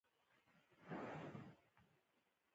ایا زه باید ولیکم؟